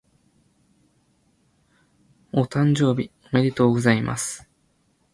お誕生日おめでとうございます。